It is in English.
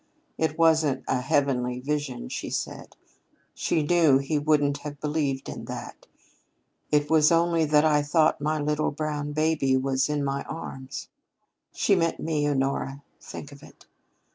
'It wasn't a heavenly vision,' she said she knew he wouldn't have believed in that 'it was only that I thought my little brown baby was in my arms.' She meant me, Honora, think of it.